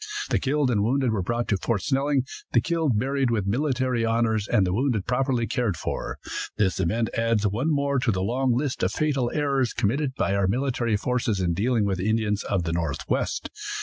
The killed and wounded were brought to Fort Snelling, the killed buried with military honors, and the wounded properly cared for. This event adds one more to the long list of fatal errors committed by our military forces in dealing with the Indians of the Northwest.